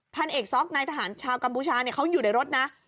พันเอกซ็อกนายทหารชาวกัมพูชาเขาอยู่ในรถนะ